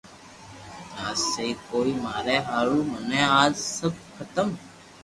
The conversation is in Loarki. آ سھي ڪوئي ماري ھارو مني اج سب ختم